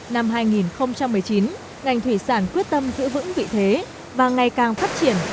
năm hai nghìn một mươi chín ngành thủy sản quyết tâm giữ vững vị thế và ngày càng phát triển